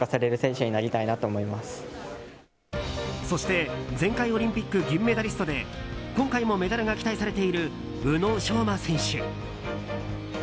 そして前回オリンピック銀メダリストで今回もメダルが期待されている宇野昌磨選手。